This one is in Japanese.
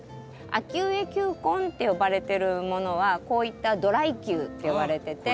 秋植え球根って呼ばれてるものはこういったドライ球って呼ばれてて。